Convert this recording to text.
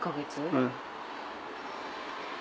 うん。